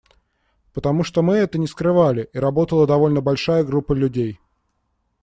Потому что мы это не скрывали, и работала довольно большая группа людей.